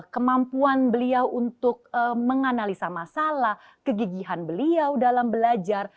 kemampuan beliau untuk menganalisa masalah kegigihan beliau dalam belajar